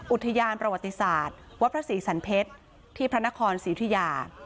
อุทยานประวัติศาสตร์วัดพระศรีสันเพชรที่พระนครศรีอุทิยา